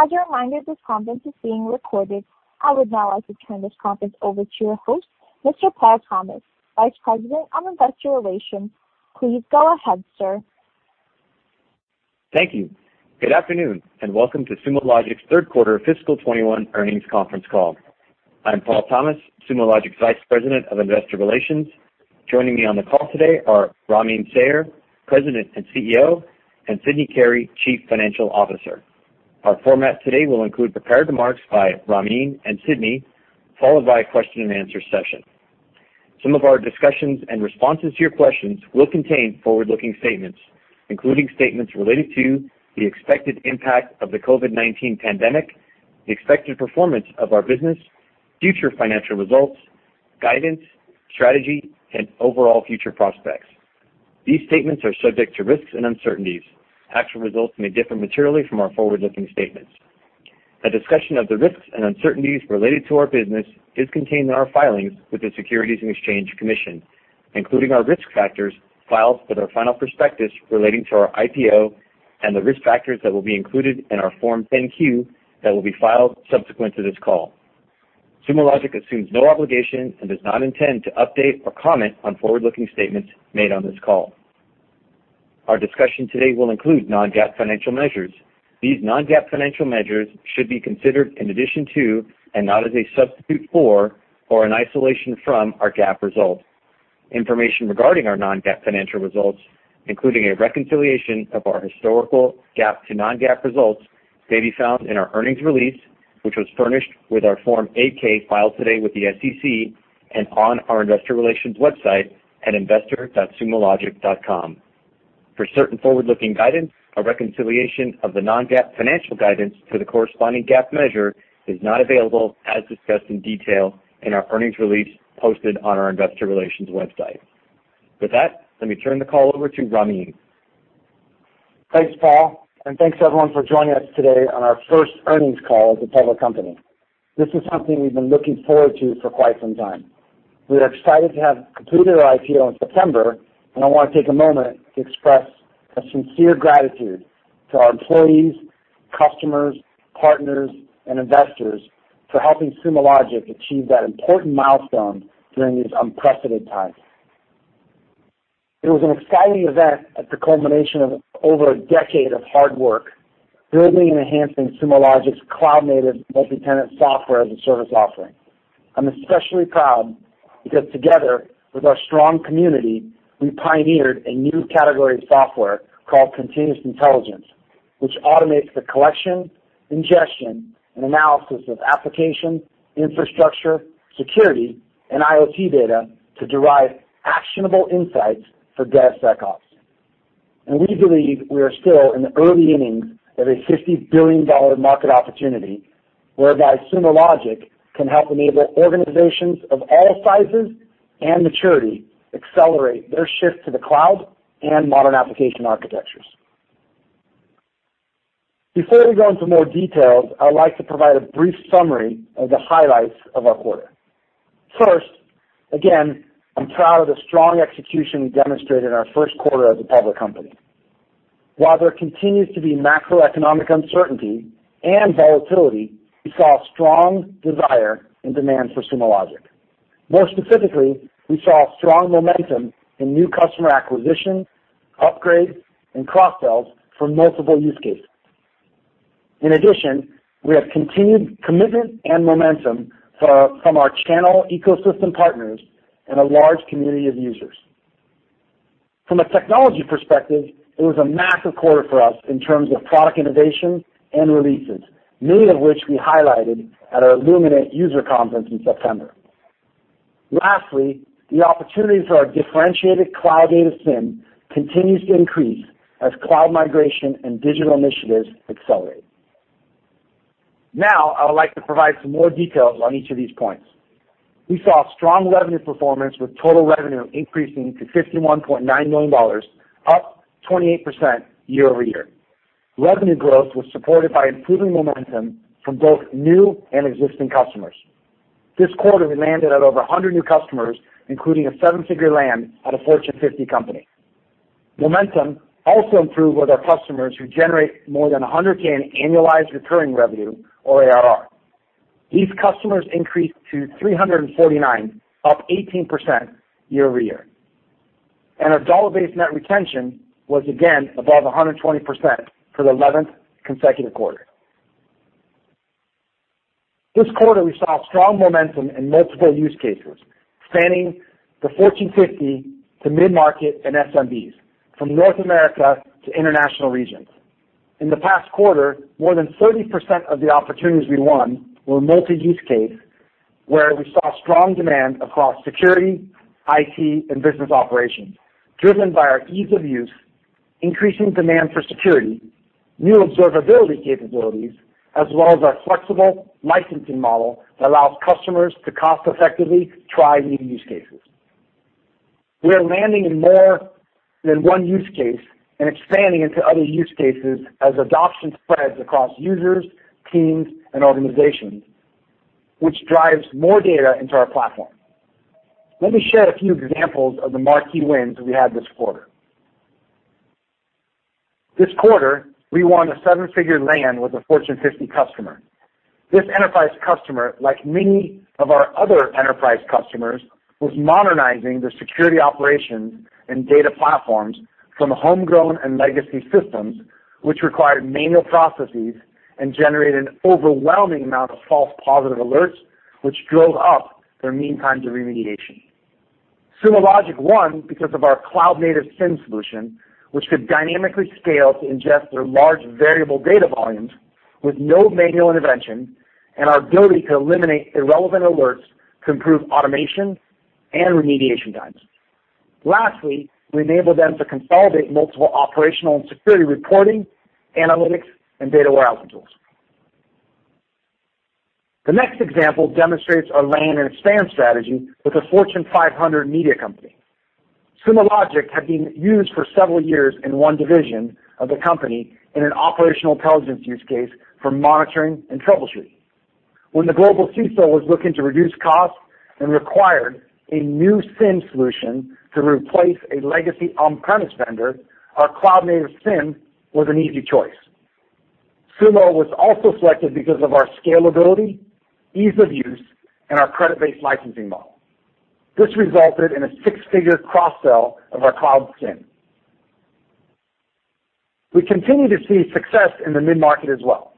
As a reminder, this conference is being recorded. I would now like to turn this conference over to your host, Mr. Paul Thomas, Vice President of Investor Relations. Please go ahead, sir. Thank you. Good afternoon, welcome to Sumo Logic's third quarter fiscal 2021 earnings conference call. I'm Paul Thomas, Sumo Logic's Vice President of Investor Relations. Joining me on the call today are Ramin Sayar, President and CEO, and Sydney Carey, Chief Financial Officer. Our format today will include prepared remarks by Ramin and Sydney, followed by a question and answer session. Some of our discussions and responses to your questions will contain forward-looking statements, including statements related to the expected impact of the COVID-19 pandemic, the expected performance of our business, future financial results, guidance, strategy, and overall future prospects. These statements are subject to risks and uncertainties. Actual results may differ materially from our forward-looking statements. A discussion of the risks and uncertainties related to our business is contained in our filings with the Securities and Exchange Commission, including our risk factors filed with our final prospectus relating to our IPO and the risk factors that will be included in our Form 10-Q that will be filed subsequent to this call. Sumo Logic assumes no obligation and does not intend to update or comment on forward-looking statements made on this call. Our discussion today will include non-GAAP financial measures. These non-GAAP financial measures should be considered in addition to, and not as a substitute for or in isolation from, our GAAP results. Information regarding our non-GAAP financial results, including a reconciliation of our historical GAAP to non-GAAP results, may be found in our earnings release, which was furnished with our Form 8-K filed today with the SEC and on our investor relations website at investor.sumologic.com. For certain forward-looking guidance, a reconciliation of the non-GAAP financial guidance to the corresponding GAAP measure is not available, as discussed in detail in our earnings release posted on our investor relations website. With that, let me turn the call over to Ramin. Thanks, Paul, thanks, everyone, for joining us today on our first earnings call as a public company. This is something we've been looking forward to for quite some time. We are excited to have completed our IPO in September, I want to take a moment to express a sincere gratitude to our employees, customers, partners, and investors for helping Sumo Logic achieve that important milestone during these unprecedented times. It was an exciting event at the culmination of over a decade of hard work building and enhancing Sumo Logic's cloud-native, multi-tenant software as a service offering. I'm especially proud because together with our strong community, we pioneered a new category of software called Continuous Intelligence, which automates the collection, ingestion, and analysis of application, infrastructure, security, and IoT data to derive actionable insights for DevSecOps. We believe we are still in the early innings of a $50 billion market opportunity, whereby Sumo Logic can help enable organizations of all sizes and maturity accelerate their shift to the cloud and modern application architectures. Before we go into more details, I would like to provide a brief summary of the highlights of our quarter. First, again, I am proud of the strong execution we demonstrated in our first quarter as a public company. While there continues to be macroeconomic uncertainty and volatility, we saw a strong desire and demand for Sumo Logic. More specifically, we saw strong momentum in new customer acquisition, upgrades, and cross-sells for multiple use cases. In addition, we have continued commitment and momentum from our channel ecosystem partners and a large community of users. From a technology perspective, it was a massive quarter for us in terms of product innovation and releases, many of which we highlighted at our Illuminate user conference in September. Lastly, the opportunity for our differentiated Cloud SIEM continues to increase as cloud migration and digital initiatives accelerate. Now, I would like to provide some more details on each of these points. We saw strong revenue performance with total revenue increasing to $51.9 million, up 28% year-over-year. Revenue growth was supported by improving momentum from both new and existing customers. This quarter, we landed at over 100 new customers, including a seven-figure land at a Fortune 50 company. Momentum also improved with our customers who generate more than $100,000 annualized recurring revenue or ARR. These customers increased to 349, up 18% year-over-year. Our dollar-based net retention was again above 120% for the 11th consecutive quarter. This quarter, we saw strong momentum in multiple use cases, spanning the Fortune 50 to mid-market and SMBs, from North America to international regions. In the past quarter, more than 30% of the opportunities we won were multi-use case, where we saw strong demand across security, IT, and business operations, driven by our ease of use, increasing demand for security, new observability capabilities, as well as our flexible licensing model that allows customers to cost-effectively try new use cases. We are landing in more than one use case and expanding into other use cases as adoption spreads across users, teams, and organizations, which drives more data into our platform. Let me share a few examples of the marquee wins we had this quarter. This quarter, we won a seven-figure land with a Fortune 50 customer. This enterprise customer, like many of our other enterprise customers, was modernizing their security operations and data platforms from homegrown and legacy systems, which required manual processes and generated an overwhelming amount of false positive alerts, which drove up their mean time to remediation. Sumo Logic won because of our cloud-native SIEM solution, which could dynamically scale to ingest their large variable data volumes with no manual intervention, and our ability to eliminate irrelevant alerts to improve automation and remediation times. Lastly, we enabled them to consolidate multiple operational and security reporting, analytics, and data warehousing tools. The next example demonstrates our land and expand strategy with a Fortune 500 media company. Sumo Logic had been used for several years in one division of the company in an operational intelligence use case for monitoring and troubleshooting. When the global CISO was looking to reduce costs and required a new SIEM solution to replace a legacy on-premise vendor, our cloud-native SIEM was an easy choice. Sumo was also selected because of our scalability, ease of use, and our credit-based licensing model. This resulted in a six-figure cross-sell of our Cloud SIEM. We continue to see success in the mid-market as well.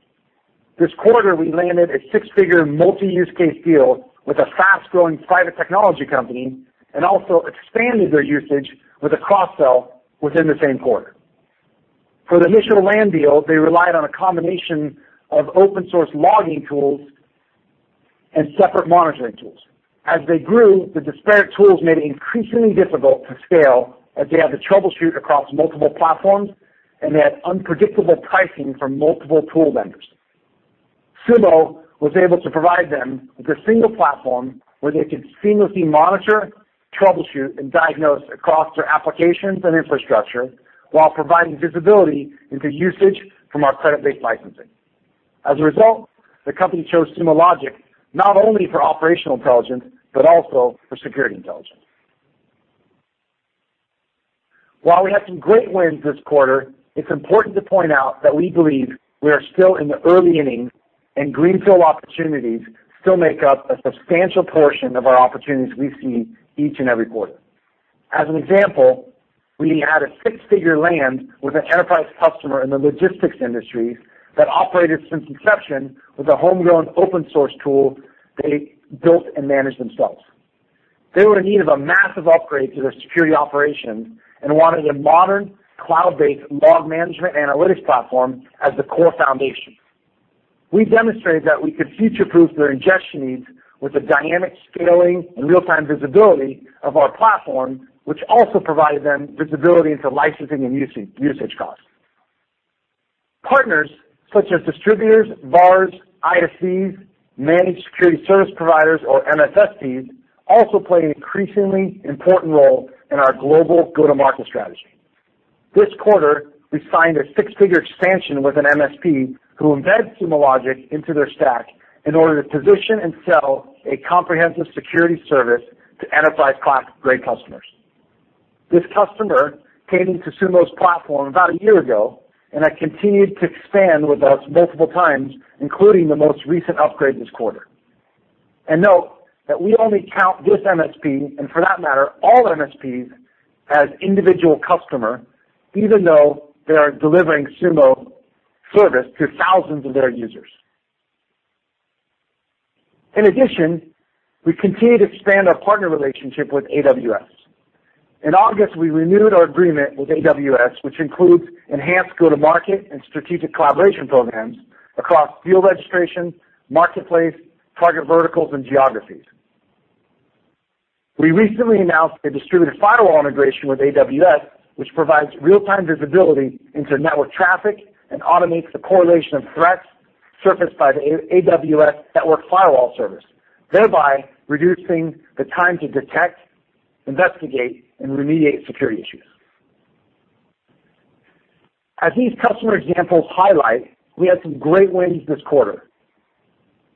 This quarter, we landed a six-figure multi-use case deal with a fast-growing private technology company, and also expanded their usage with a cross-sell within the same quarter. For the initial land deal, they relied on a combination of open-source logging tools and separate monitoring tools. As they grew, the disparate tools made it increasingly difficult to scale as they had to troubleshoot across multiple platforms and had unpredictable pricing from multiple tool vendors. Sumo was able to provide them with a single platform where they could seamlessly monitor, troubleshoot, and diagnose across their applications and infrastructure while providing visibility into usage from our credit-based licensing. As a result, the company chose Sumo Logic not only for operational intelligence but also for security intelligence. While we had some great wins this quarter, it is important to point out that we believe we are still in the early innings and greenfield opportunities still make up a substantial portion of our opportunities we see each and every quarter. As an example, we had a six-figure land with an enterprise customer in the logistics industry that operated since inception with a homegrown open-source tool they built and managed themselves. They were in need of a massive upgrade to their security operations and wanted a modern cloud-based log management analytics platform as the core foundation. We demonstrated that we could future-proof their ingestion needs with the dynamic scaling and real-time visibility of our platform, which also provided them visibility into licensing and usage costs. Partners such as distributors, VARs, ISVs, Managed Security Service Providers or MSSPs, also play an increasingly important role in our global go-to-market strategy. This quarter, we signed a six-figure expansion with an MSP who embeds Sumo Logic into their stack in order to position and sell a comprehensive security service to enterprise grade customers. This customer came into Sumo's platform about a year ago and had continued to expand with us multiple times, including the most recent upgrade this quarter. Note that we only count this MSP, and for that matter, all MSPs, as individual customer, even though they are delivering Sumo service to thousands of their users. In addition, we continue to expand our partner relationship with AWS. In August, we renewed our agreement with AWS, which includes enhanced go-to-market and strategic collaboration programs across deal registration, marketplace, target verticals, and geographies. We recently announced a distributed firewall integration with AWS, which provides real-time visibility into network traffic and automates the correlation of threats surfaced by the AWS Network Firewall service, thereby reducing the time to detect, investigate, and remediate security issues. As these customer examples highlight, we had some great wins this quarter.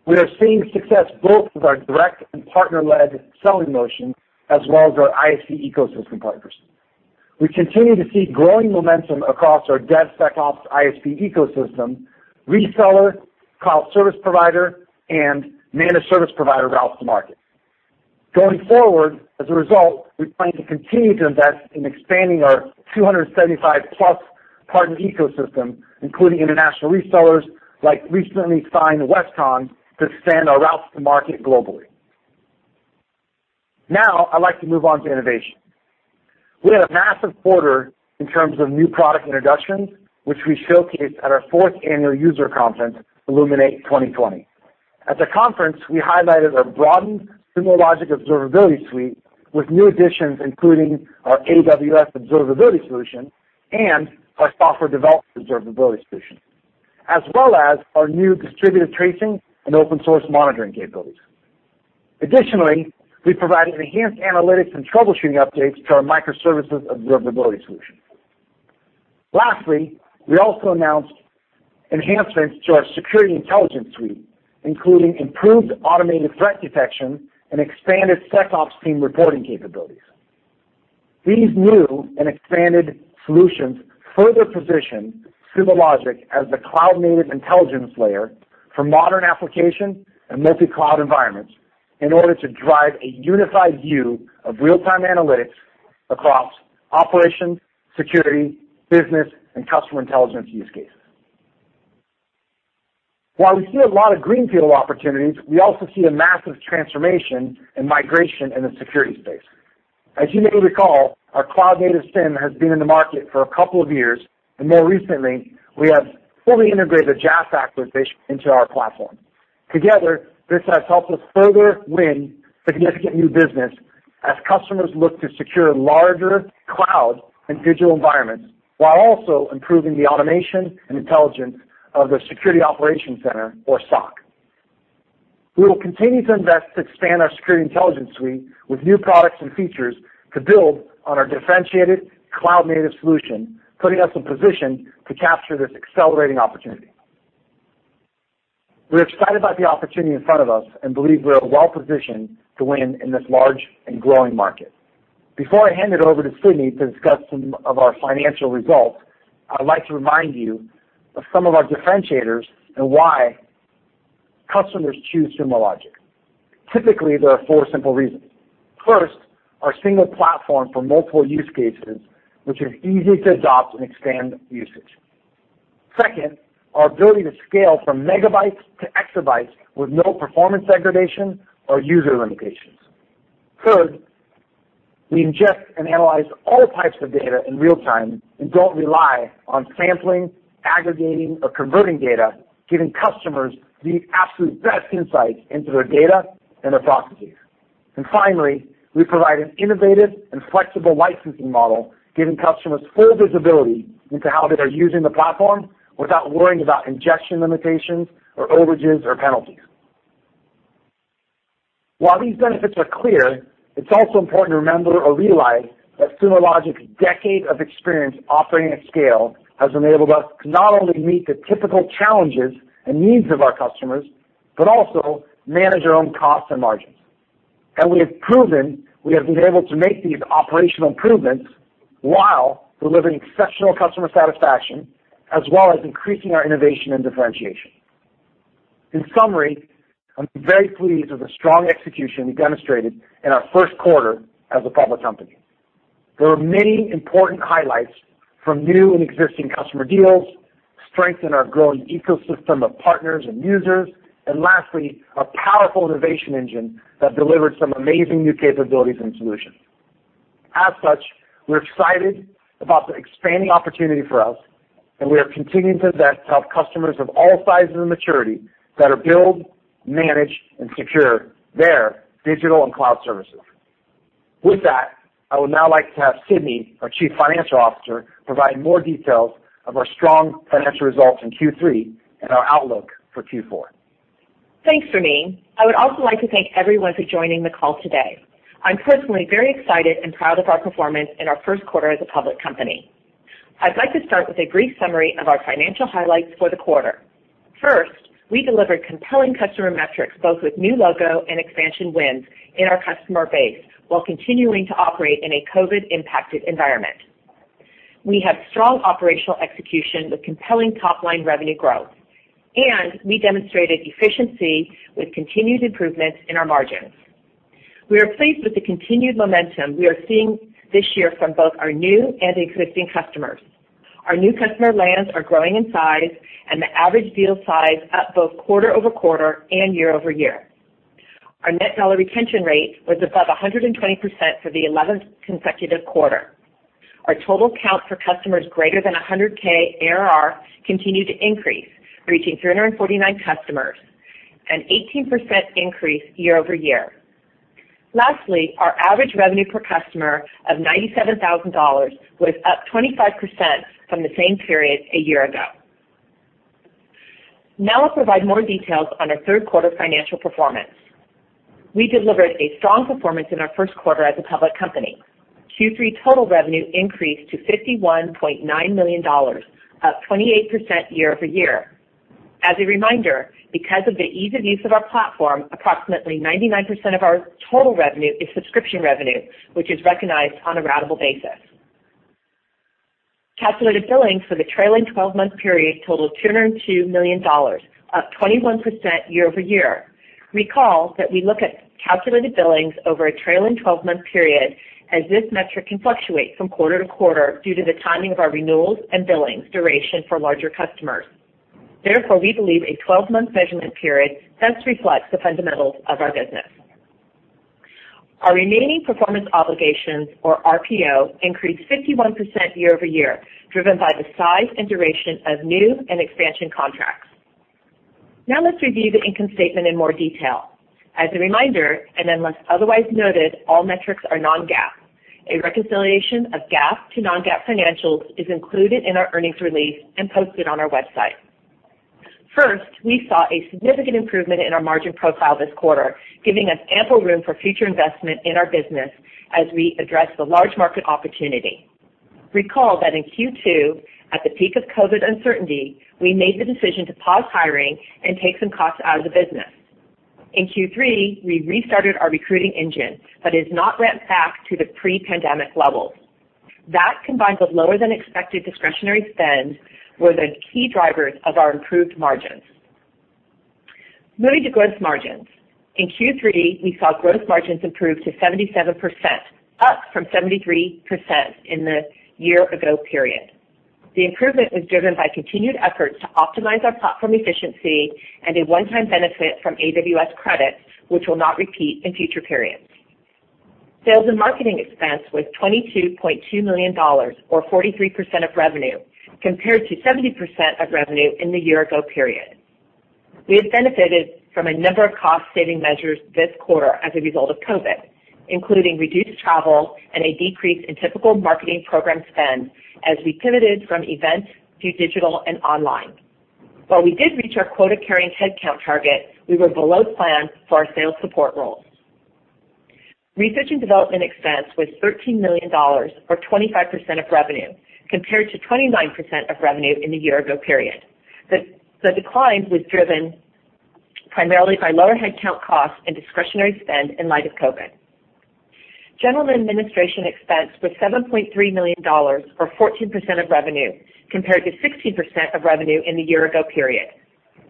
We are seeing success both with our direct and partner-led selling motion, as well as our ISV ecosystem partners. We continue to see growing momentum across our DevSecOps ISV ecosystem, reseller, cloud service provider, and managed service provider routes to market. Going forward, as a result, we plan to continue to invest in expanding our 275+ partner ecosystem, including international resellers like recently signed Westcon to expand our routes to market globally. Now, I'd like to move on to innovation. We had a massive quarter in terms of new product introductions, which we showcased at our fourth annual user conference, Illuminate 2020. At the conference, we highlighted our broadened Sumo Logic Observability Suite with new additions including our AWS Observability solution and our Software Development Optimization solution, as well as our new distributed tracing and open-source monitoring capabilities. Additionally, we provided enhanced analytics and troubleshooting updates to our Microservices Observability solution. Lastly, we also announced enhancements to our security intelligence suite, including improved automated threat detection and expanded SecOps team reporting capabilities. These new and expanded solutions further position Sumo Logic as the cloud-native intelligence layer for modern application and multi-cloud environments in order to drive a unified view of real-time analytics across operation, security, business, and customer intelligence use cases. While we see a lot of greenfield opportunities, we also see a massive transformation and migration in the security space. As you may recall, our cloud-native SIEM has been in the market for a couple of years, and more recently, we have fully integrated the JASK acquisition into our platform. Together, this has helped us further win significant new business as customers look to secure larger cloud and digital environments, while also improving the automation and intelligence of their security operations center, or SOC. We will continue to invest to expand our security intelligence suite with new products and features to build on our differentiated cloud-native solution, putting us in position to capture this accelerating opportunity. We're excited about the opportunity in front of us and believe we are well-positioned to win in this large and growing market. Before I hand it over to Sydney to discuss some of our financial results, I'd like to remind you of some of our differentiators and why customers choose Sumo Logic. Typically, there are four simple reasons. First, our single platform for multiple use cases, which is easy to adopt and expand usage. Second, our ability to scale from megabytes to exabytes with no performance degradation or user limitations. Third, we ingest and analyze all types of data in real time and don't rely on sampling, aggregating, or converting data, giving customers the absolute best insights into their data and their processes. Finally, we provide an innovative and flexible licensing model, giving customers full visibility into how they are using the platform without worrying about ingestion limitations or overages or penalties. While these benefits are clear, it's also important to remember or realize that Sumo Logic's decade of experience operating at scale has enabled us to not only meet the typical challenges and needs of our customers, but also manage our own costs and margins. We have proven we have been able to make these operational improvements while delivering exceptional customer satisfaction, as well as increasing our innovation and differentiation. In summary, I'm very pleased with the strong execution we demonstrated in our first quarter as a public company. There are many important highlights from new and existing customer deals, strength in our growing ecosystem of partners and users, and lastly, a powerful innovation engine that delivered some amazing new capabilities and solutions. As such, we're excited about the expanding opportunity for us, and we are continuing to invest to help customers of all sizes and maturity better build, manage, and secure their digital and cloud services. With that, I would now like to have Sydney, our Chief Financial Officer, provide more details of our strong financial results in Q3 and our outlook for Q4. Thanks, Ramin. I would also like to thank everyone for joining the call today. I'm personally very excited and proud of our performance in our first quarter as a public company. I'd like to start with a brief summary of our financial highlights for the quarter. First, we delivered compelling customer metrics, both with new logo and expansion wins in our customer base while continuing to operate in a COVID-impacted environment. We have strong operational execution with compelling top-line revenue growth, and we demonstrated efficiency with continued improvements in our margins. We are pleased with the continued momentum we are seeing this year from both our new and existing customers. Our new customer lands are growing in size and the average deal size up both quarter-over-quarter and year-over-year. Our net dollar retention rate was above 120% for the 11th consecutive quarter. Our total count for customers greater than $100,000 ARR continued to increase, reaching 349 customers, an 18% increase year-over-year. Lastly, our average revenue per customer of $97,000 was up 25% from the same period a year ago. Now I'll provide more details on our third quarter financial performance. We delivered a strong performance in our first quarter as a public company. Q3 total revenue increased to $51.9 million, up 28% year-over-year. As a reminder, because of the ease of use of our platform, approximately 99% of our total revenue is subscription revenue, which is recognized on a ratable basis. Calculated billings for the trailing 12-month period totaled $202 million, up 21% year-over-year. Recall that we look at calculated billings over a trailing 12-month period, as this metric can fluctuate from quarter-to-quarter due to the timing of our renewals and billings duration for larger customers. Therefore, we believe a 12-month measurement period best reflects the fundamentals of our business. Our remaining performance obligations, or RPO, increased 51% year-over-year, driven by the size and duration of new and expansion contracts. Let's review the income statement in more detail. As a reminder, and unless otherwise noted, all metrics are non-GAAP. A reconciliation of GAAP to non-GAAP financials is included in our earnings release and posted on our website. We saw a significant improvement in our margin profile this quarter, giving us ample room for future investment in our business as we address the large market opportunity. Recall that in Q2, at the peak of COVID uncertainty, we made the decision to pause hiring and take some costs out of the business. In Q3, we restarted our recruiting engine, but it has not ramped back to the pre-pandemic levels. That, combined with lower than expected discretionary spend, were the key drivers of our improved margins. Moving to gross margins. In Q3, we saw gross margins improve to 77%, up from 73% in the year ago period. The improvement was driven by continued efforts to optimize our platform efficiency and a one-time benefit from AWS credits, which will not repeat in future periods. Sales and marketing expense was $22.2 million, or 43% of revenue, compared to 70% of revenue in the year ago period. We have benefited from a number of cost-saving measures this quarter as a result of COVID, including reduced travel and a decrease in typical marketing program spend as we pivoted from event to digital and online. While we did reach our quota-carrying headcount target, we were below plan for our sales support roles. Research and development expense was $13 million, or 25% of revenue, compared to 29% of revenue in the year ago period. The decline was driven primarily by lower headcount costs and discretionary spend in light of COVID. General and administration expense was $7.3 million, or 14% of revenue, compared to 16% of revenue in the year ago period.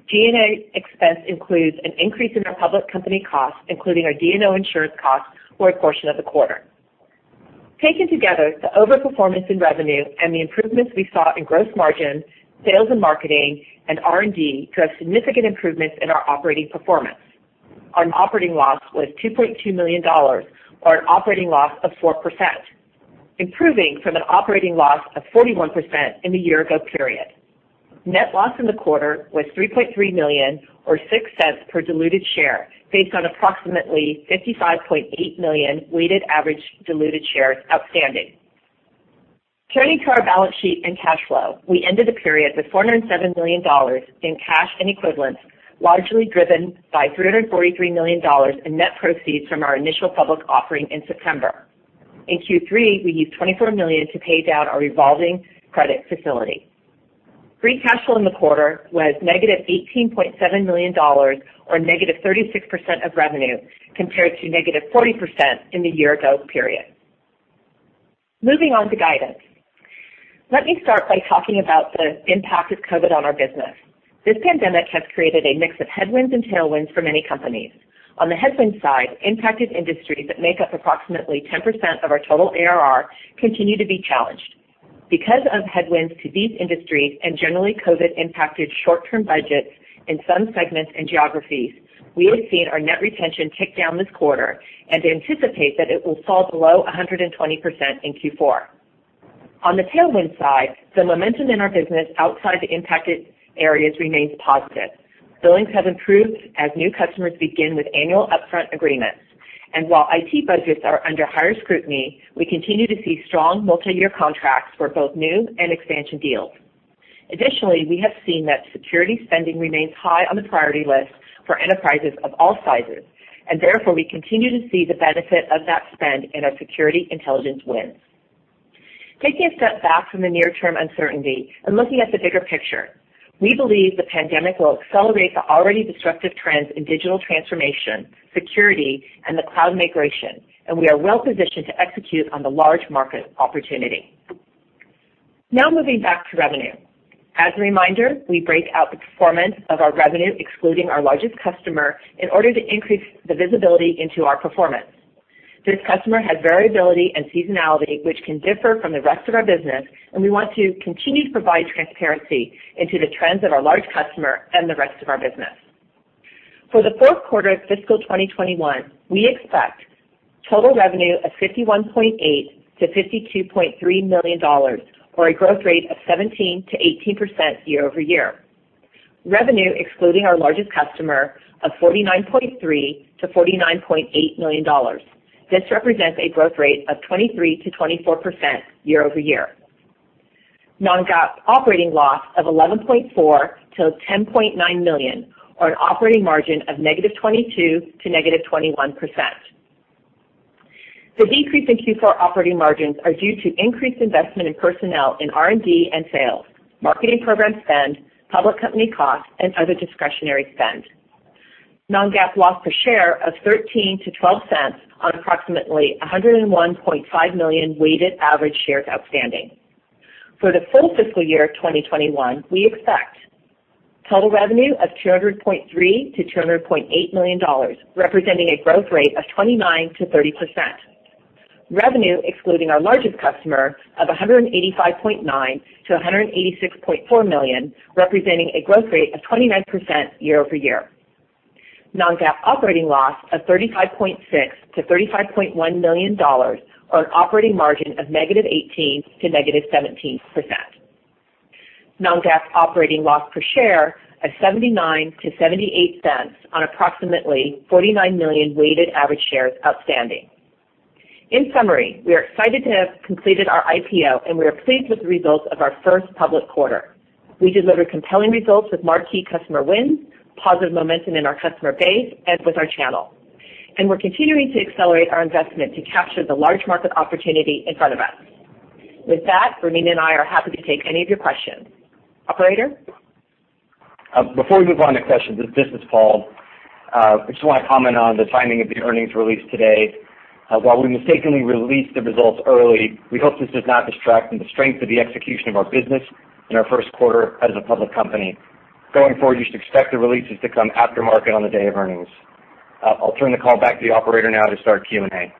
G&A expense includes an increase in our public company costs, including our D&O insurance cost for a portion of the quarter. Taken together, the over-performance in revenue and the improvements we saw in gross margin, sales and marketing, and R&D drove significant improvements in our operating performance. Our operating loss was $2.2 million, or an operating loss of 4%, improving from an operating loss of 41% in the year ago period. Net loss in the quarter was $3.3 million, or $0.06 per diluted share, based on approximately 55.8 million weighted average diluted shares outstanding. Turning to our balance sheet and cash flow, we ended the period with $407 million in cash and equivalents, largely driven by $343 million in net proceeds from our initial public offering in September. In Q3, we used $24 million to pay down our revolving credit facility. Free cash flow in the quarter was -$18.7 million, or -36% of revenue, compared to -40% in the year ago period. Moving on to guidance. Let me start by talking about the impact of COVID on our business. This pandemic has created a mix of headwinds and tailwinds for many companies. On the headwinds side, impacted industries that make up approximately 10% of our total ARR continue to be challenged. Because of headwinds to these industries and generally COVID-impacted short-term budgets in some segments and geographies, we have seen our net retention tick down this quarter and anticipate that it will fall below 120% in Q4. On the tailwind side, the momentum in our business outside the impacted areas remains positive. Billings have improved as new customers begin with annual upfront agreements. While IT budgets are under higher scrutiny, we continue to see strong multi-year contracts for both new and expansion deals. Additionally, we have seen that security spending remains high on the priority list for enterprises of all sizes, and therefore, we continue to see the benefit of that spend in our security intelligence wins. Taking a step back from the near-term uncertainty and looking at the bigger picture, we believe the pandemic will accelerate the already disruptive trends in digital transformation, security, and the cloud migration, and we are well-positioned to execute on the large market opportunity. Now moving back to revenue. As a reminder, we break out the performance of our revenue excluding our largest customer in order to increase the visibility into our performance. This customer has variability and seasonality which can differ from the rest of our business, and we want to continue to provide transparency into the trends of our large customer and the rest of our business. For the fourth quarter of fiscal 2021, we expect total revenue of $51.8 million-$52.3 million, or a growth rate of 17%-18% year-over-year. Revenue excluding our largest customer of $49.3 million-$49.8 million. This represents a growth rate of 23%-24% year-over-year. Non-GAAP operating loss of $11.4 million-$10.9 million, or an operating margin of -22% to -21%. The decrease in Q4 operating margins are due to increased investment in personnel in R&D and sales, marketing program spend, public company costs, and other discretionary spend. Non-GAAP loss per share of $0.13-$0.12 on approximately 101.5 million weighted average shares outstanding. For the full fiscal year of 2021, we expect total revenue of $200.3 million-$200.8 million, representing a growth rate of 29%-30%. Revenue excluding our largest customer of $185.9 million-$186.4 million, representing a growth rate of 29% year-over-year. Non-GAAP operating loss of $35.6 million-$35.1 million, or an operating margin of -18% to -17%. Non-GAAP operating loss per share of $0.79-$0.78 on approximately 49 million weighted average shares outstanding. In summary, we are excited to have completed our IPO. We are pleased with the results of our first public quarter. We delivered compelling results with marquee customer wins, positive momentum in our customer base, and with our channel. We're continuing to accelerate our investment to capture the large market opportunity in front of us. With that, Ramin and I are happy to take any of your questions. Operator? Before we move on to questions, this is Paul. I just want to comment on the timing of the earnings release today. While we mistakenly released the results early, we hope this does not distract from the strength of the execution of our business in our first quarter as a public company. Going forward, you should expect the releases to come after market on the day of earnings. I'll turn the call back to the operator now to start Q&A.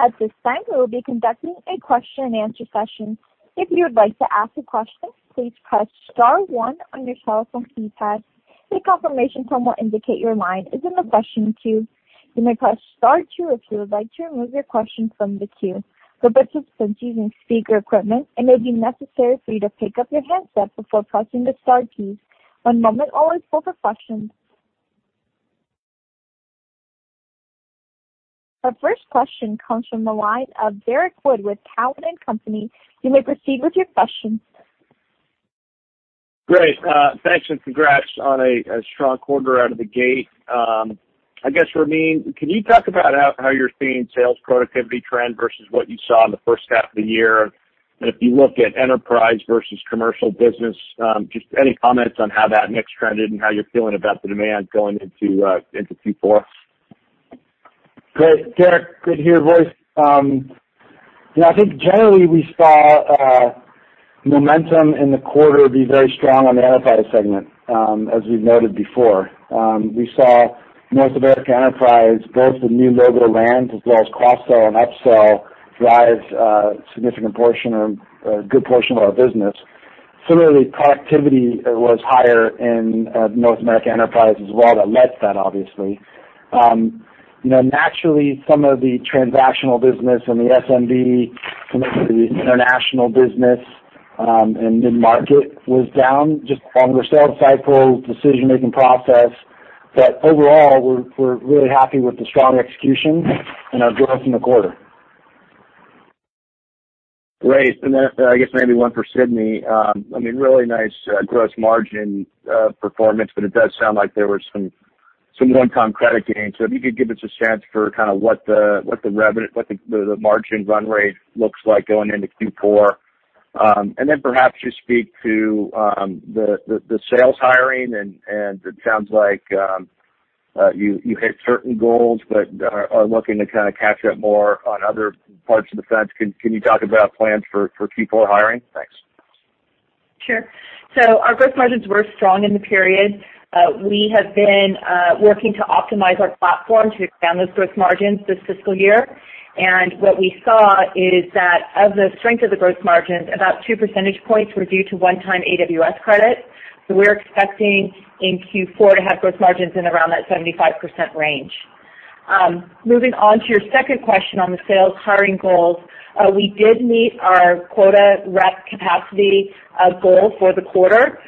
At this time, we will be conducting a question and answer session. If you would like to ask a question, please press star one on your telephone key pad. A confirmation tone will indicate your line is in the question queue. You may press star two if you would like to remove your question from the queue. For participants using speaker equipment, it may be necessary for you to pick up your handset before pressing the star keys. Our first question comes from the line of Derrick Wood with Cowen and Company. You may proceed with your question. Great. Thanks, and congrats on a strong quarter out of the gate. I guess, Ramin, can you talk about how you're seeing sales productivity trend versus what you saw in the first half of the year, and if you look at enterprise versus commercial business, just any comments on how that mix trended and how you're feeling about the demand going into Q4? Great, Derrick. Good to hear your voice. I think generally we saw momentum in the quarter be very strong on the enterprise segment, as we've noted before. We saw North America enterprise, both the new logo lands as well as cross-sell and upsell, drive a good portion of our business. Similarly, productivity was higher in North America enterprise as well. That led that, obviously. Naturally, some of the transactional business in the SMB, some of the international business in mid-market was down, just longer sales cycles, decision-making process. Overall, we're really happy with the strong execution and our growth in the quarter. Great. I guess maybe one for Sydney. Really nice gross margin performance, it does sound like there were some one-time credit gains. If you could give us a sense for what the margin run rate looks like going into Q4. Perhaps just speak to the sales hiring, and it sounds like you hit certain goals but are looking to catch up more on other parts of the fence. Can you talk about plans for Q4 hiring? Thanks. Sure. Our gross margins were strong in the period. We have been working to optimize our platform to expand those gross margins this fiscal year. What we saw is that of the strength of the gross margins, about two percentage points were due to one-time AWS credit. We're expecting in Q4 to have gross margins in around that 75% range. Moving on to your second question on the sales hiring goals, we did meet our quota rep capacity goal for the quarter.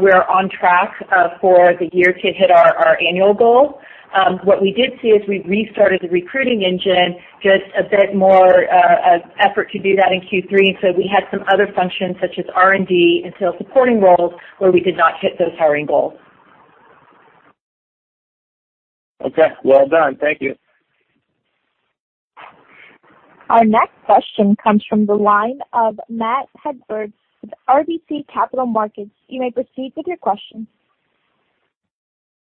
We are on track for the year to hit our annual goal. What we did see is we restarted the recruiting engine, just a bit more effort to do that in Q3. We had some other functions such as R&D and sales supporting roles where we did not hit those hiring goals. Okay, well done. Thank you. Our next question comes from the line of Matt Hedberg with RBC Capital Markets.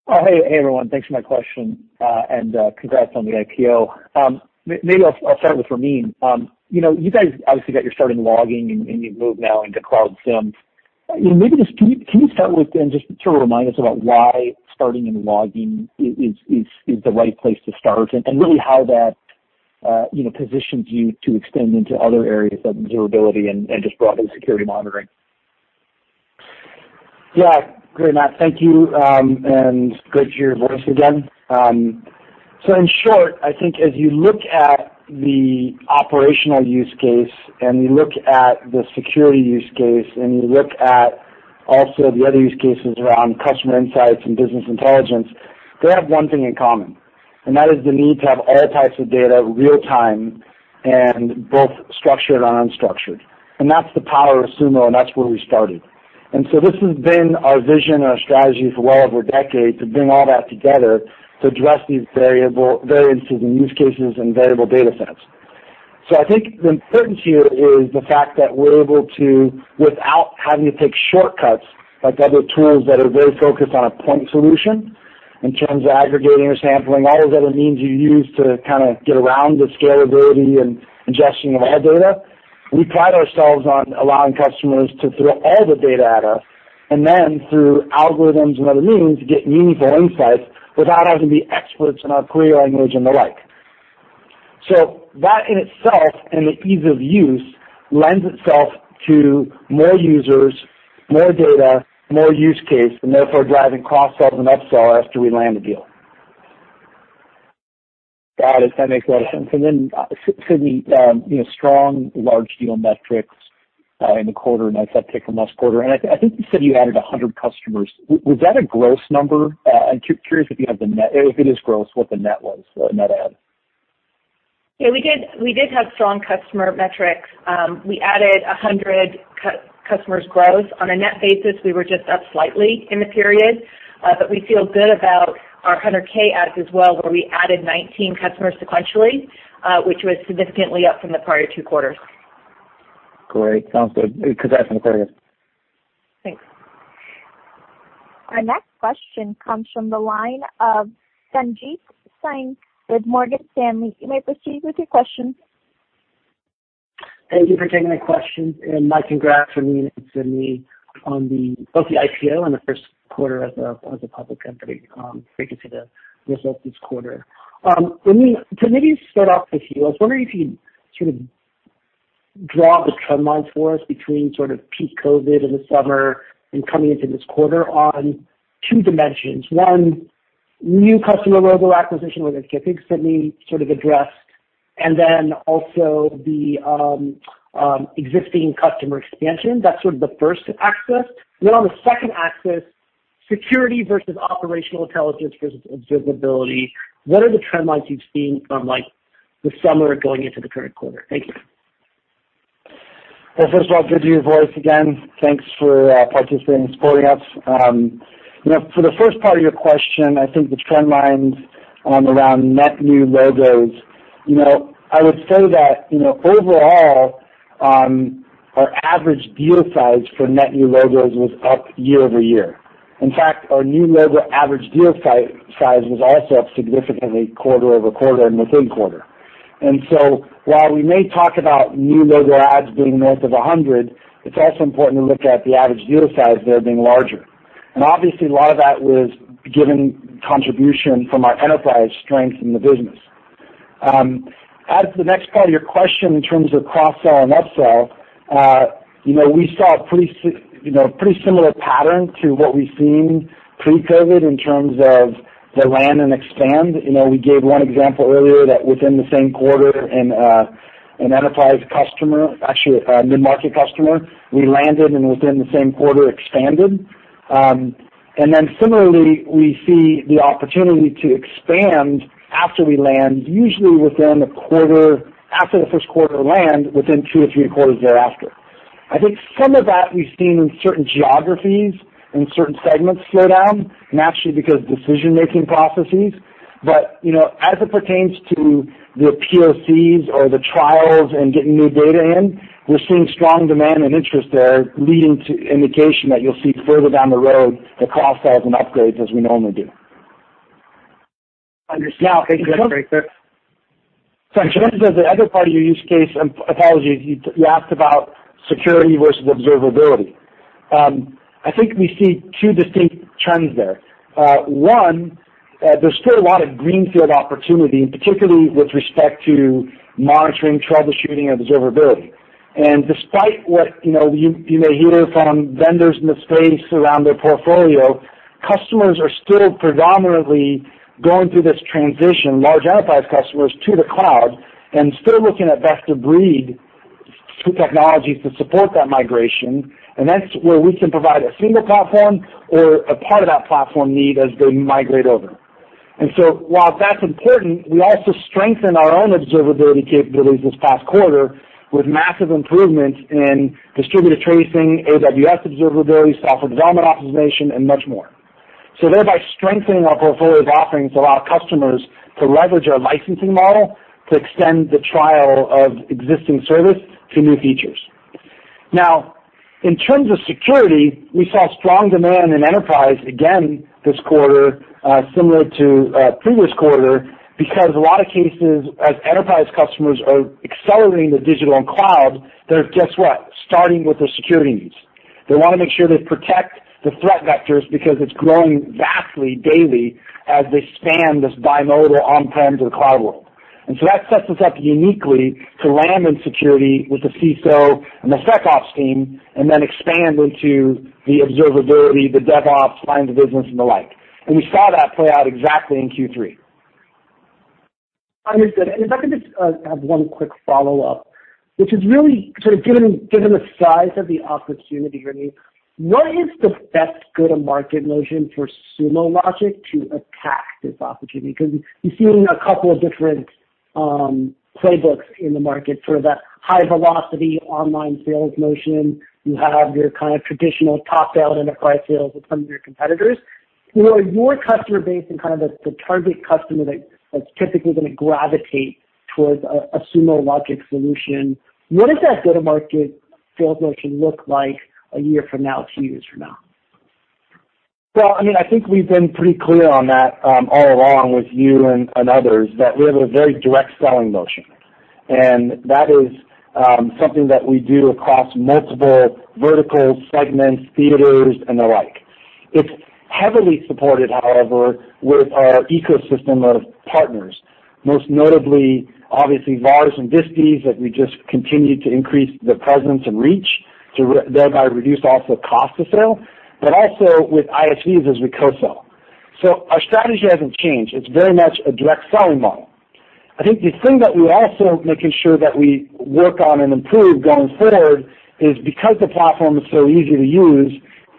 Hey, everyone. Thanks for my question, and congrats on the IPO. Maybe I'll start with Ramin. You guys obviously got your start in logging, and you've moved now into Cloud SIEM. Can you start with, and just remind us about why starting in logging is the right place to start, and really how that positions you to extend into other areas of observability and just broadly security monitoring? Yeah. Great, Matt. Thank you, and great to hear your voice again. In short, I think as you look at the operational use case and you look at the security use case and you look at also the other use cases around customer insights and business intelligence, they have one thing in common, and that is the need to have all types of data real-time and both structured and unstructured. That's the power of Sumo, and that's where we started. This has been our vision and our strategy for well over a decade to bring all that together to address these variances in use cases and variable data sets. I think what's important here is the fact that we're able to, without having to take shortcuts like other tools that are very focused on a point solution in terms of aggregating or sampling, all those other means you use to get around the scalability and ingestion of all data. We pride ourselves on allowing customers to throw all the data at us, and then through algorithms and other means, get meaningful insights without having to be experts in our query language and the like. That in itself, and the ease of use, lends itself to more users, more data, more use case, and therefore driving cross-sell and upsell after we land a deal. Got it. That makes a lot of sense. Sydney, strong large deal metrics in the quarter, nice uptick from last quarter. I think you said you added 100 customers. Was that a gross number? I'm curious, if it is gross, what the net add was. Yeah, we did have strong customer metrics. We added 100 customers gross. On a net basis, we were just up slightly in the period. We feel good about our $100,000 adds as well, where we added 19 customers sequentially, which was significantly up from the prior two quarters. Great. Sounds good. Congrats on the quarter. Thanks. Our next question comes from the line of Sanjit Singh with Morgan Stanley. You may proceed with your question. Thank you for taking my question, and my congrats, Ramin and Sydney, on both the IPO and the first quarter as a public company. Great to see the results this quarter. Ramin, to maybe start off with you, I was wondering if you'd draw the trend lines for us between peak COVID in the summer and coming into this quarter on two dimensions. One, new customer logo acquisition, which I think Sydney sort of addressed, and then also the existing customer expansion. That's sort of the first axis. On the second axis, security versus operational intelligence versus observability. What are the trend lines you've seen from the summer going into the current quarter? Thank you. First of all, good to hear your voice again. Thanks for participating and supporting us. For the first part of your question, I think the trend lines around net new logos, I would say that overall, our average deal size for net new logos was up year-over-year. In fact, our new logo average deal size was also up significantly quarter-over-quarter and within quarter. While we may talk about new logo adds being north of 100, it's also important to look at the average deal size there being larger. Obviously, a lot of that was given contribution from our enterprise strength in the business. As to the next part of your question, in terms of cross-sell and up-sell, we saw a pretty similar pattern to what we've seen pre-COVID in terms of the land and expand. We gave one example earlier that within the same quarter, an enterprise customer, actually a mid-market customer, we landed and within the same quarter expanded. Similarly, we see the opportunity to expand after we land, usually after the first quarter land, within two or three quarters thereafter. I think some of that we've seen in certain geographies and certain segments slow down, naturally because decision-making processes. As it pertains to the POCs or the trials and getting new data in, we're seeing strong demand and interest there, leading to indication that you'll see further down the road the cross-sells and upgrades as we normally do. Understood. Sorry, Sanjit, the other part of your use case, apologies, you asked about security versus observability. I think we see two distinct trends there. One, there's still a lot of greenfield opportunity, and particularly with respect to monitoring, troubleshooting, and observability. Despite what you may hear from vendors in the space around their portfolio, customers are still predominantly going through this transition, large enterprise customers, to the cloud, and still looking at best-of-breed technologies to support that migration. That's where we can provide a single platform or a part of that platform need as they migrate over. While that's important, we also strengthened our own observability capabilities this past quarter with massive improvements in distributed tracing, AWS Observability, Software Development Optimization, and much more. Thereby strengthening our portfolio of offerings allow customers to leverage our licensing model to extend the trial of existing service to new features. In terms of security, we saw strong demand in enterprise, again, this quarter, similar to previous quarter, because a lot of cases, as enterprise customers are accelerating the digital and cloud, they're, guess what, starting with their security needs. They want to make sure they protect the threat vectors because it's growing vastly daily as they span this bimodal on-prem to the cloud world. That sets us up uniquely to land in security with the CISO and the SecOps team, and then expand into the observability, the DevOps, line of business, and the like. We saw that play out exactly in Q3. Understood. If I could just have one quick follow-up, which is really sort of given the size of the opportunity, Ramin, what is the best go-to-market motion for Sumo Logic to attack this opportunity? Because you're seeing a couple of different playbooks in the market for that high-velocity online sales motion. You have your kind of traditional top-down enterprise sales with some of your competitors. With your customer base and kind of the target customer that's typically going to gravitate towards a Sumo Logic solution, what does that go-to-market sales motion look like a year from now, two years from now? Well, I think we've been pretty clear on that all along with you and others, that we have a very direct selling motion, and that is something that we do across multiple verticals, segments, theaters, and the like. It's heavily supported, however, with our ecosystem of partners, most notably, obviously, VARs and SIs, that we just continue to increase the presence and reach to thereby reduce also cost to sale, but also with ISVs as we co-sell. Our strategy hasn't changed. It's very much a direct selling model. I think the thing that we're also making sure that we work on and improve going forward is because the platform is so easy to use,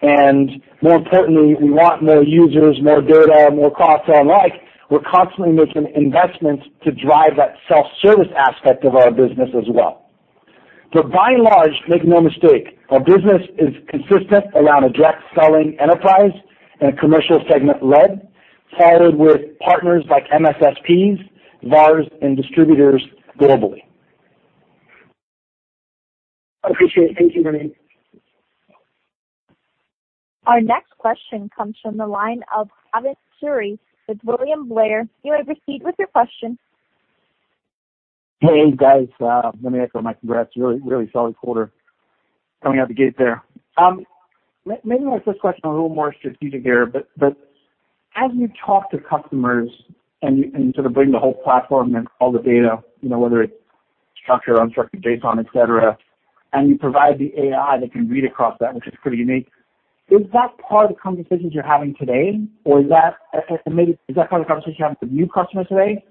and more importantly, we want more users, more data, more costs, and the like. We're constantly making investments to drive that self-service aspect of our business as well. By and large, make no mistake, our business is consistent around a direct selling enterprise and a commercial segment led, followed with partners like MSSPs, VARs, and distributors globally. I appreciate it. Thank you, Ramin. Our next question comes from the line of Avik Suri with William Blair. Hey, guys. Let me echo my congrats. Really solid quarter coming out the gate there. My first question, a little more strategic here. As you talk to customers and you bring the whole platform and all the data, whether it's structured, unstructured, JSON, et cetera, and you provide the AI that can read across that, which is pretty unique. Is that part of the conversations you're having today? Is that kind of the conversation you're having with new customers today?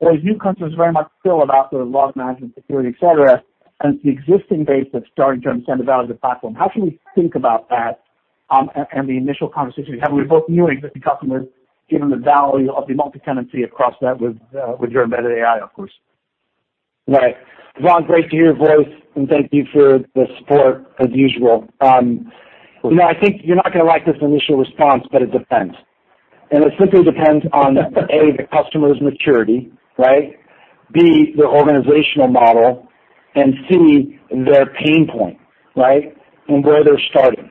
Is new customers very much still about sort of log management, security, et cetera, and it's the existing base that's starting to understand the value of the platform? How should we think about that and the initial conversations you're having with both new and existing customers, given the value of the multi-tenancy across that with your embedded AI, of course? Right. Bhavan, great to hear your voice, thank you for the support as usual. I think you're not going to like this initial response, it depends. It simply depends on, A, the customer's maturity, right? B, their organizational model, and C, their pain point, right? Where they're starting.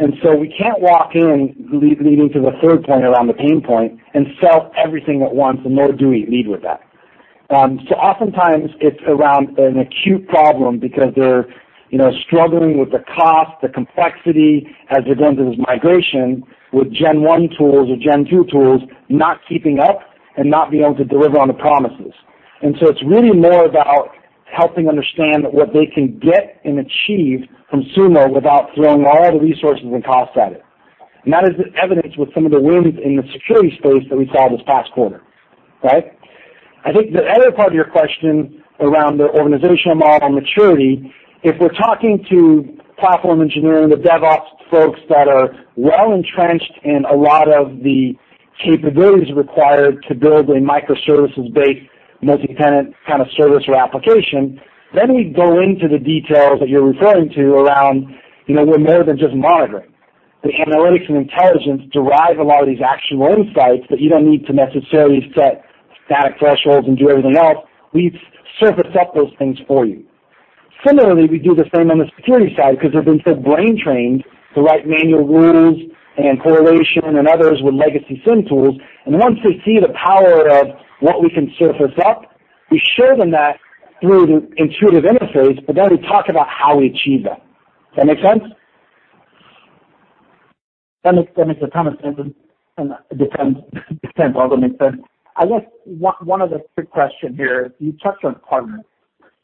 We can't walk in, leading to the third point around the pain point, and sell everything at once, and nor do we lead with that. Oftentimes it's around an acute problem because they're struggling with the cost, the complexity as they're going through this migration with Gen-1 tools or Gen-2 tools, not keeping up and not being able to deliver on the promises. It's really more about helping understand what they can get and achieve from Sumo without throwing all the resources and costs at it. That is evidenced with some of the wins in the security space that we saw this past quarter. Right? I think the other part of your question around the organizational model maturity, if we're talking to platform engineering, the DevOps folks that are well-entrenched in a lot of the capabilities required to build a microservices-based multi-tenant kind of service or application, then we go into the details that you're referring to around, we're more than just monitoring. The analytics and intelligence derive a lot of these action insights that you don't need to necessarily set static thresholds and do everything else. We've surfaced up those things for you. Similarly, we do the same on the security side because they've been so brain trained to write manual rules and correlation and others with legacy SIEM tools. Once they see the power of what we can surface up, we show them that through the intuitive interface, but then we talk about how we achieve that. Does that make sense? That makes a ton of sense. It depends. It depends, although it makes sense. I guess one other quick question here. You touched on partners,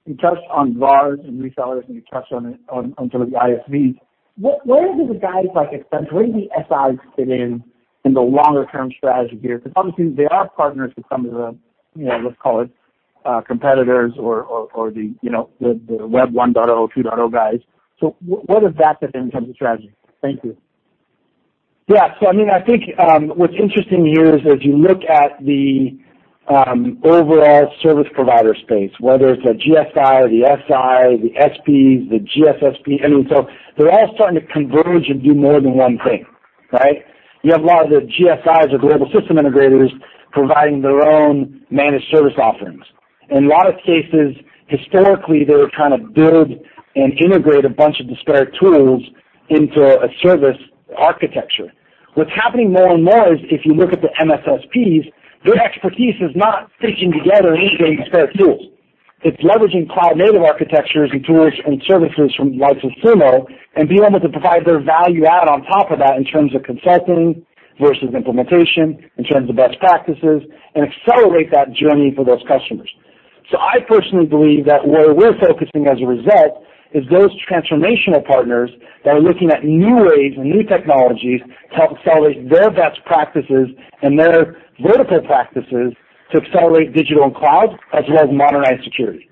you touched on VARs and resellers, and you touched on sort of the ISVs. Where do the guys like Accenture? Where do the SIs fit in in the longer-term strategy here? Because obviously they are partners with some of the, let's call it, competitors or the Web 1.0, 2.0 guys. What does that fit in in terms of strategy? Thank you. I think, what's interesting here is as you look at the overall service provider space, whether it's the GSI or the SI, the SPs, the GSSP, I mean, so they're all starting to converge and do more than one thing, right? You have a lot of the GSIs or global system integrators providing their own managed service offerings. In a lot of cases, historically, they would kind of build and integrate a bunch of disparate tools into a service architecture. What's happening more and more is if you look at the MSSPs, their expertise is not stitching together anything but disparate tools. It's leveraging cloud-native architectures and tools and services from the likes of Sumo and being able to provide their value add on top of that in terms of consulting versus implementation, in terms of best practices, and accelerate that journey for those customers. I personally believe that where we're focusing as a result is those transformational partners that are looking at new ways and new technologies to help accelerate their best practices and their vertical practices to accelerate digital and cloud, as well as modernize security.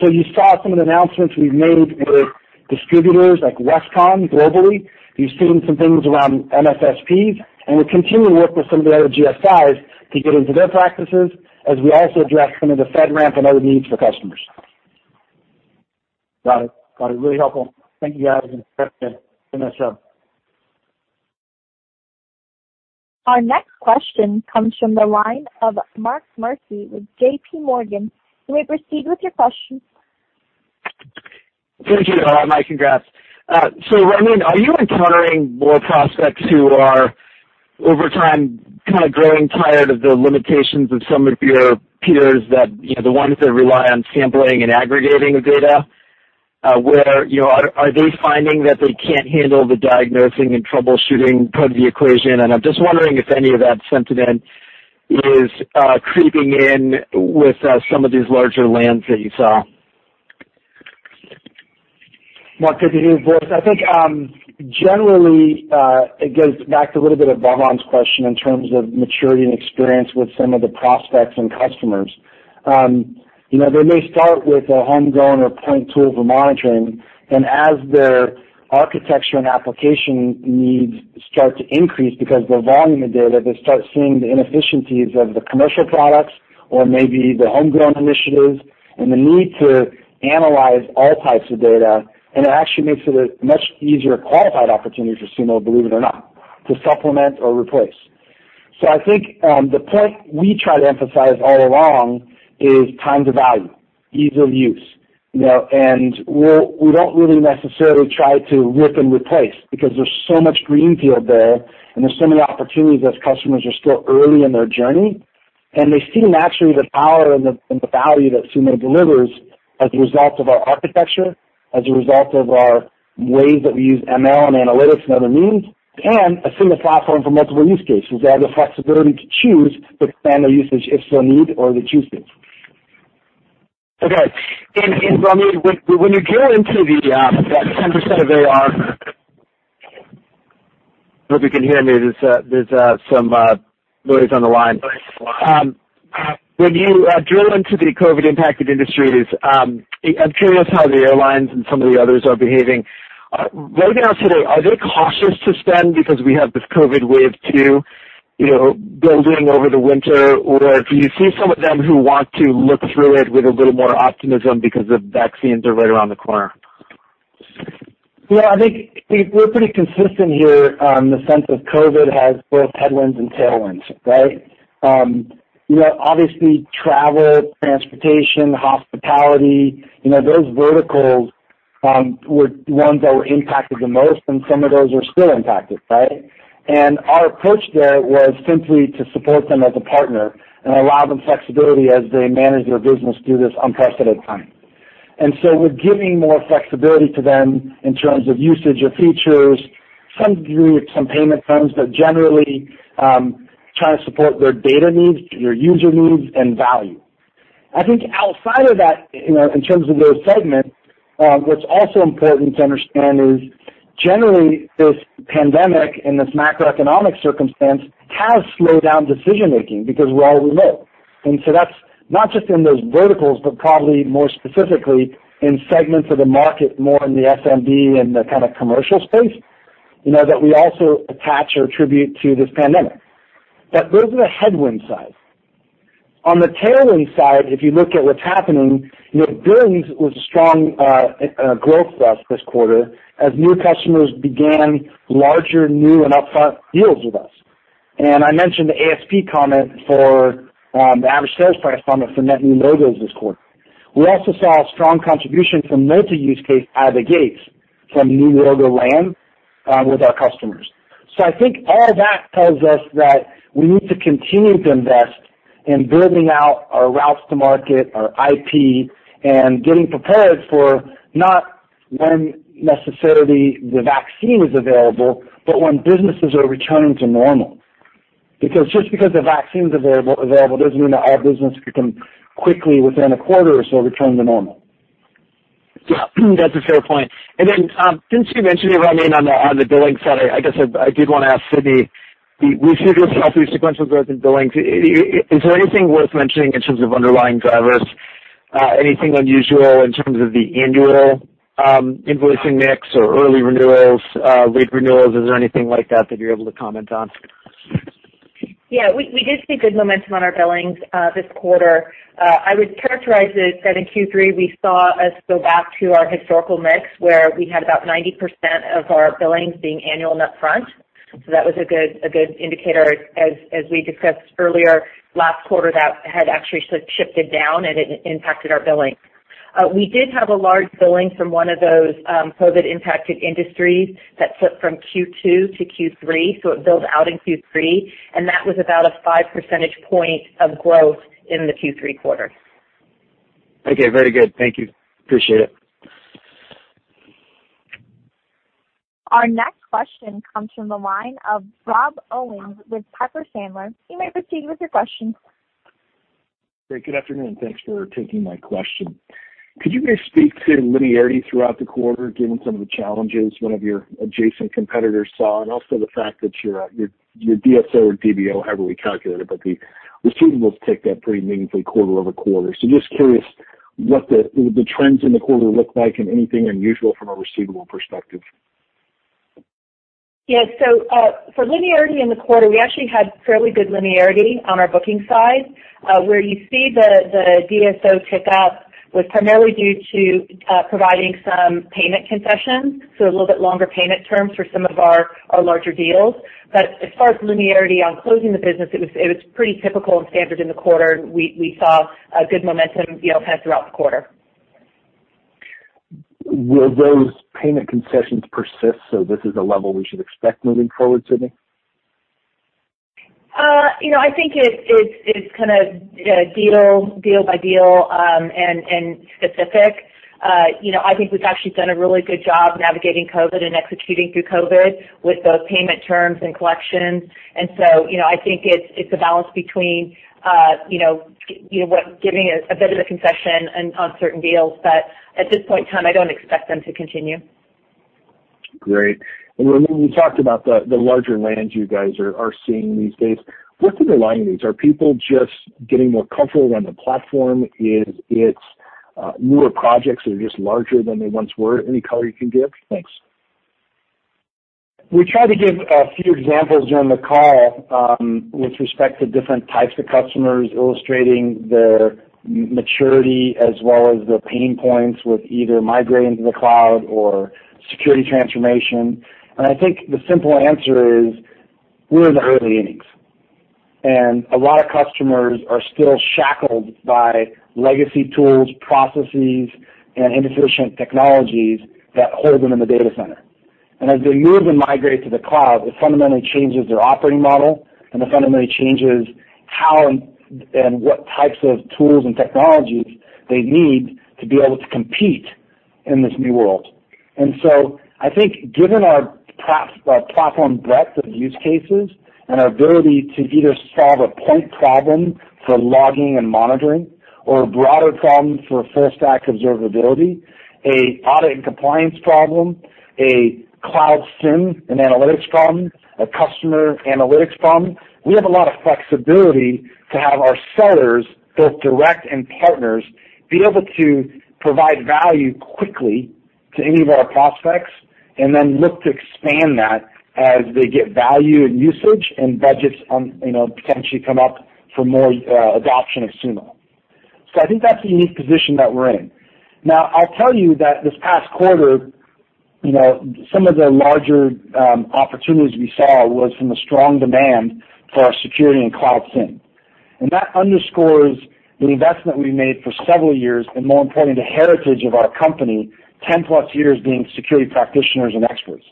You saw some of the announcements we've made with distributors like Westcon globally. You've seen some things around MSSPs, and we're continuing to work with some of the other GSIs to get into their practices as we also address some of the FedRAMP and other needs for customers. Got it. Really helpful. Thank you, guys. Appreciate it. Finish up. Our next question comes from the line of Mark Murphy with JPMorgan. You may proceed with your question. Thank you. My congrats. Ramin, are you encountering more prospects who are over time, kind of growing tired of the limitations of some of your peers that, the ones that rely on sampling and aggregating the data? Are they finding that they can't handle the diagnosing and troubleshooting part of the equation? I'm just wondering if any of that sentiment is creeping in with some of these larger lands that you saw. Mark, good to hear your voice. I think, generally, it goes back to a little bit of [Bhavan's question in terms of maturity and experience with some of the prospects and customers. As their architecture and application needs start to increase because the volume of data, they start seeing the inefficiencies of the commercial products or maybe the homegrown initiatives and the need to analyze all types of data. It actually makes it a much easier qualified opportunity for Sumo, believe it or not, to supplement or replace. I think, the point we try to emphasize all along is time to value, ease of use. We don't really necessarily try to rip and replace because there's so much greenfield there, and there's so many opportunities as customers are still early in their journey, and they see naturally the power and the value that Sumo delivers as a result of our architecture, as a result of our ways that we use ML and analytics and other means, and a single platform for multiple use cases. They have the flexibility to choose to expand their usage if so need or they choose to. Okay. Ramin, when you go into that 10% of AR Hope you can hear me. There's some noise on the line. When you drill into the COVID-impacted industries, I'm curious how the airlines and some of the others are behaving. Right now today, are they cautious to spend because we have this COVID wave-2 building over the winter? Or do you see some of them who want to look through it with a little more optimism because the vaccines are right around the corner? Yeah, I think we're pretty consistent here in the sense that COVID has both headwinds and tailwinds, right? Obviously travel, transportation, hospitality, those verticals were ones that were impacted the most, and some of those are still impacted, right? Our approach there was simply to support them as a partner and allow them flexibility as they manage their business through this unprecedented time. We're giving more flexibility to them in terms of usage of features, some through some payment terms, but generally, trying to support their data needs, their user needs, and value. I think outside of that, in terms of those segments, what's also important to understand is generally this pandemic and this macroeconomic circumstance has slowed down decision-making because we're all remote. That's not just in those verticals, but probably more specifically in segments of the market, more in the SMB and the kind of commercial space, that we also attach or attribute to this pandemic. That those are the headwind side. On the tailwind side, if you look at what's happening, billings was a strong growth for us this quarter as new customers began larger, new, and upfront deals with us. I mentioned the ASP comment for the average sales price comment for net new logos this quarter. We also saw a strong contribution from multi-use case out of the gates from new logo land with our customers. I think all that tells us that we need to continue to invest in building out our routes to market, our IP, and getting prepared for not when necessarily the vaccine is available, but when businesses are returning to normal. Just because the vaccine's available doesn't mean that all business can come quickly within a quarter or so return to normal. Yeah. That's a fair point. Then, since you mentioned it, Ramin, on the billing side, I guess I did want to ask Sydney, we see this healthy sequential growth in billings. Is there anything worth mentioning in terms of underlying drivers? Anything unusual in terms of the annual invoicing mix or early renewals, late renewals? Is there anything like that you're able to comment on? Yeah. We did see good momentum on our billings this quarter. I would characterize it that in Q3, we saw us go back to our historical mix, where we had about 90% of our billings being annual and upfront. That was a good indicator, as we discussed earlier, last quarter that had actually shifted down, and it impacted our billing. We did have a large billing from one of those COVID-impacted industries that flipped from Q2 to Q3, so it billed out in Q3, and that was about a five percentage point of growth in the Q3 quarter. Okay. Very good. Thank you. Appreciate it. Our next question comes from the line of Rob Owens with Piper Sandler. Great. Good afternoon. Thanks for taking my question. Could you guys speak to linearity throughout the quarter, given some of the challenges one of your adjacent competitors saw, and also the fact that your DSO or DPO, however we calculate it, but the receivables ticked up pretty meaningfully quarter-over-quarter. Just curious what the trends in the quarter look like and anything unusual from a receivable perspective? Yeah. For linearity in the quarter, we actually had fairly good linearity on our booking side. Where you see the DSO tick up was primarily due to providing some payment concessions, so a little bit longer payment terms for some of our larger deals. As far as linearity on closing the business, it was pretty typical and standard in the quarter. We saw a good momentum throughout the quarter. Will those payment concessions persist, so this is a level we should expect moving forward, Sydney? I think it's kind of deal by deal, and specific. I think we've actually done a really good job navigating COVID and executing through COVID with both payment terms and collections. I think it's a balance between giving a bit of a concession on certain deals. At this point in time, I don't expect them to continue. Great. Ramin, you talked about the larger wins you guys are seeing these days. What's underlying these? Are people just getting more comfortable around the platform? Is it newer projects that are just larger than they once were? Any color you can give? Thanks. We tried to give a few examples during the call, with respect to different types of customers, illustrating their maturity as well as their pain points with either migrating to the cloud or security transformation. I think the simple answer is, we're in the early innings, and a lot of customers are still shackled by legacy tools, processes, and inefficient technologies that hold them in the data center. As they move and migrate to the cloud, it fundamentally changes their operating model, and it fundamentally changes how and what types of tools and technologies they need to be able to compete in this new world. I think given our platform breadth of use cases and our ability to either solve a point problem for logging and monitoring or a broader problem for full-stack observability, a audit and compliance problem, a Cloud SIEM and analytics problem, a customer analytics problem. We have a lot of flexibility to have our sellers, both direct and partners, be able to provide value quickly to any of our prospects and then look to expand that as they get value and usage and budgets potentially come up for more adoption of Sumo. I think that's a unique position that we're in. I'll tell you that this past quarter, some of the larger opportunities we saw was from the strong demand for our security and Cloud SIEM. That underscores the investment we made for several years, and more importantly, the heritage of our company, 10+ years being security practitioners and experts.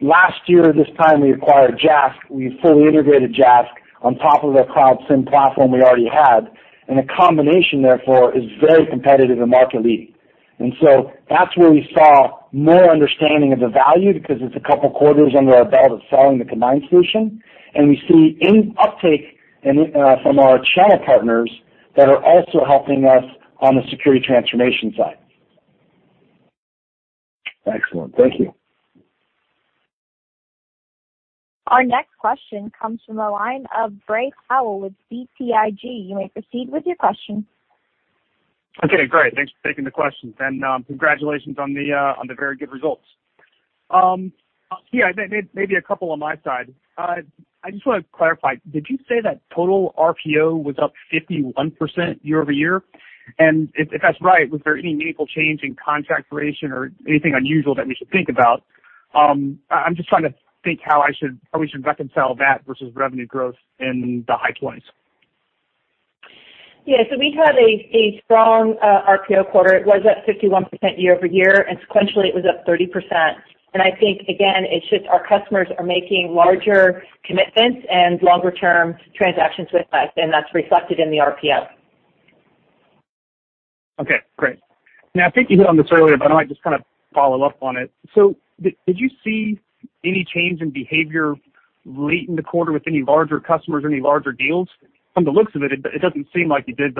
Last year, this time we acquired JASK. We fully integrated JASK on top of the Cloud SIEM platform we already had, and the combination, therefore, is very competitive and market-leading. That's where we saw more understanding of the value because it's a couple of quarters under our belt of selling the combined solution, and we see uptake from our channel partners that are also helping us on the security transformation side. Excellent. Thank you. Our next question comes from the line of Gray Powell with BTIG. You may proceed with your question. Okay, great. Thanks for taking the questions, and congratulations on the very good results. Yeah, maybe a couple on my side. I just want to clarify, did you say that total RPO was up 51% year-over-year? If that's right, was there any meaningful change in contract duration or anything unusual that we should think about? I'm just trying to think how we should reconcile that versus revenue growth in the high 20s? Yeah. We had a strong RPO quarter. It was up 51% year-over-year, and sequentially it was up 30%. I think, again, it's just our customers are making larger commitments and longer-term transactions with us, and that's reflected in the RPO. Okay, great. I think you hit on this earlier, but I might just kind of follow up on it. Did you see any change in behavior late in the quarter with any larger customers or any larger deals? From the looks of it doesn't seem like you did.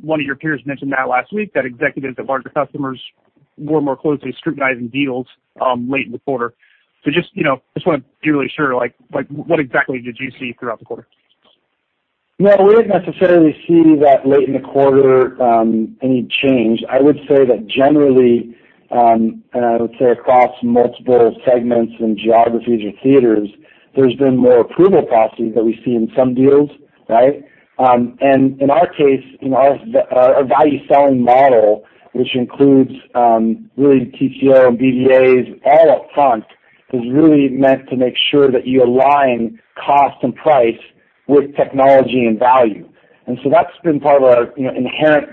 One of your peers mentioned that last week that executives at larger customers were more closely scrutinizing deals late in the quarter. Just want to be really sure, what exactly did you see throughout the quarter? We didn't necessarily see that late in the quarter, any change. I would say that generally, and I would say across multiple segments and geographies or theaters, there's been more approval processes that we see in some deals, right? In our case, our value selling model, which includes really TCO and BVAs all up front, is really meant to make sure that you align cost and price with technology and value. That's been part of our inherent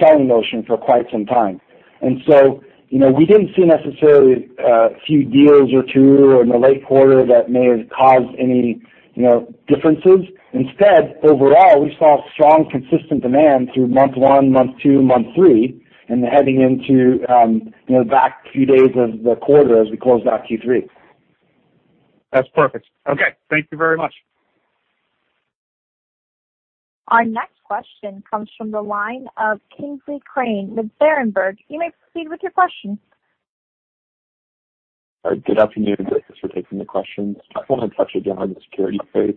selling motion for quite some time. We didn't see necessarily a few deals or two in the late quarter that may have caused any differences. Instead, overall, we saw strong, consistent demand through month one, month two, month three, and heading into back few days of the quarter as we closed out Q3. That's perfect. Okay. Thank you very much. Our next question comes from the line of Kingsley Crane with Berenberg. You may proceed with your question. All right. Good afternoon. Thanks for taking the questions. I just want to touch again on the security space.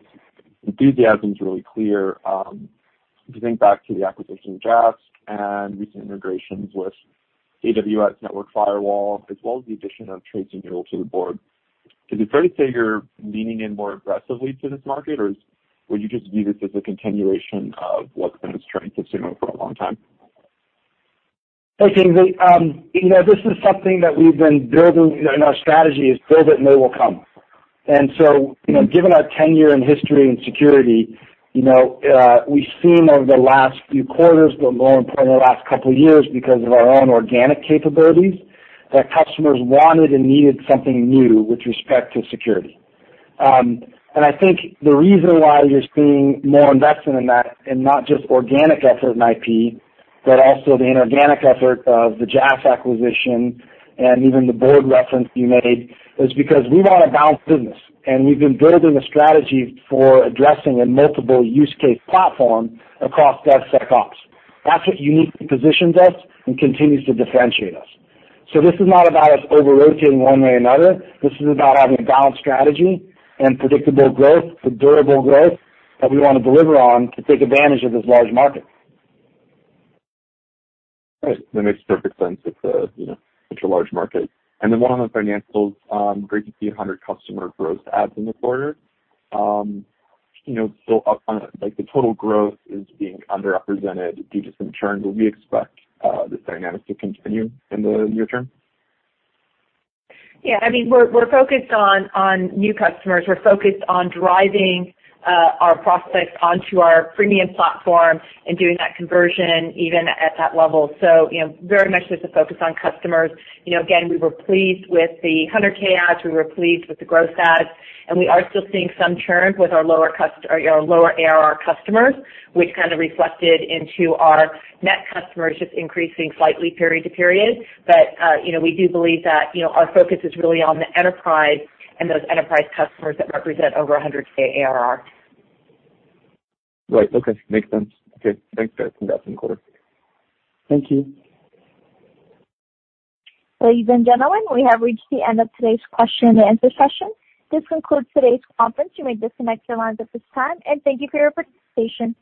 Enthusiasm is really clear. If you think back to the acquisition of JASK and recent integrations with AWS Network Firewall, as well as the addition of Tracey Newell to the board, is it fair to say you're leaning in more aggressively to this market, or would you just view this as a continuation of what's been the strength of Sumo for a long time? Hey, Kingsley. This is something that we've been building in our strategy is build it and they will come. Given our tenure and history in security, we've seen over the last few quarters, but more importantly, the last couple of years, because of our own organic capabilities, that customers wanted and needed something new with respect to security. I think the reason why you're seeing more investment in that, and not just organic effort in IP, but also the inorganic effort of the JASK acquisition and even the board reference you made, is because we want a balanced business, and we've been building a strategy for addressing a multiple use case platform across DevSecOps. That's what uniquely positions us and continues to differentiate us. This is not about us over-rotating one way or another. This is about having a balanced strategy and predictable growth, sustainable growth that we want to deliver on to take advantage of this large market. Right. That makes perfect sense. It's such a large market. Then one on the financials. Great to see 100 customer gross adds in the quarter. Still up on it, the total growth is being underrepresented due to some churn. Do we expect this dynamic to continue in the near term? We're focused on new customers. We're focused on driving our prospects onto our premium platform and doing that conversion even at that level. Very much just a focus on customers. Again, we were pleased with the $100,000 adds. We were pleased with the gross adds, and we are still seeing some churn with our lower ARR customers, which kind of reflected into our net customers just increasing slightly period to period. We do believe that our focus is really on the enterprise and those enterprise customers that represent over $100,000 ARR. Right. Okay. Makes sense. Okay, thanks. I think that's the quarter. Thank you. Ladies and gentlemen, we have reached the end of today's question and answer session. This concludes today's conference. You may disconnect your lines at this time, and thank you for your participation.